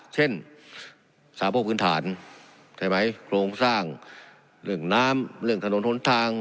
สาโพกพื้นฐานใช่ไหมโครงสร้างเรื่องน้ำเรื่องถนนหนทาง